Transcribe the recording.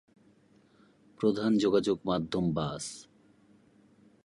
প্রধান যোগাযোগ মাধ্যম বাস।